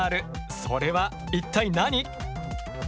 それは一体何？